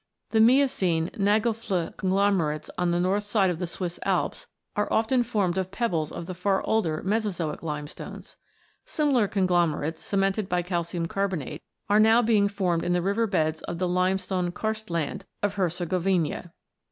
The Miocene Nagelfluh conglomerates of the north side of the Swiss Alps are often formed of pebbles of the far older Mesozoic limestones. Similar conglomerates, cemented by calcium carbonate, are now being formed in the river beds of the limestone karstland of Hercegovina.